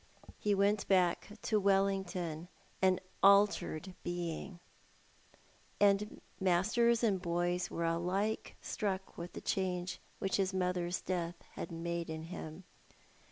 He went back to Wellington an altered being, and masters and boys were alike struck with the change which his mother's death had made in him.